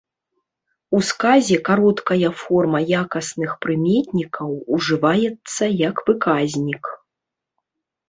У сказе кароткая форма якасных прыметнікаў ужываецца як выказнік.